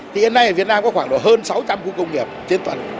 thì hiện nay ở việt nam có khoảng độ hơn sáu trăm linh khu công nghiệp trên tuần